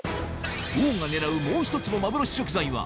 王が狙うもう一つの幻食材は